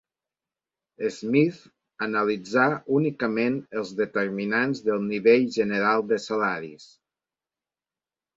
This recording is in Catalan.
Smith analitzà únicament els determinants del nivell general de salaris.